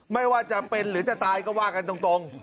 ไม่ว่าจำเป็นหรือจะตายก็ว่ากันตรง